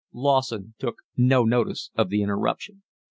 Lawson took no notice of the interruption.